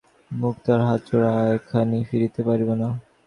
মুক্তিয়ার খাঁ হাত জোড় করিয়া কহিল, এখনই ফিরিতে পারিব না।